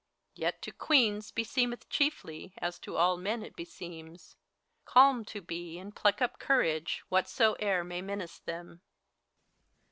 Yet to Queens beseemeth chiefly, as to all men it beseems. Calm to be, and pluck up courage, whatsoe'er may menace them.